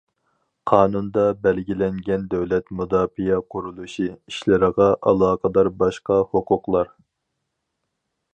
قانۇندا بەلگىلەنگەن دۆلەت مۇداپىئە قۇرۇلۇشى ئىشلىرىغا ئالاقىدار باشقا ھوقۇقلار.